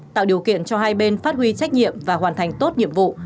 tạo điều kiện cho hai bên phát huy trách nhiệm và hoàn thành tốt nhiệm vụ